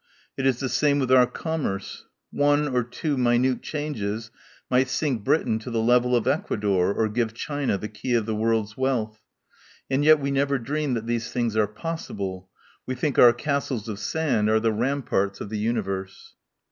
It is the same with our commerce. One or two minute changes might sink Britain to the level of Ecuador or give China the key of the world's wealth. And yet we never dream that these things are possible. We think our castles of sand are the ramparts of the universe."